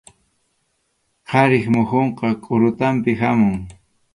Qharip muhunqa qʼurutanpi hamun.